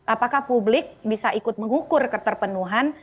apakah publik bisa ikut mengukur keterpenuhan